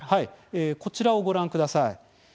こちらをご覧ください。